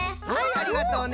ありがとうね。